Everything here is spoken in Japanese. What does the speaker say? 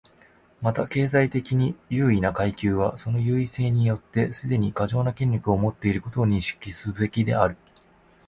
また、経済的に優位な階級はその優位性によってすでに過剰な権力を持っていることを認識すべきである。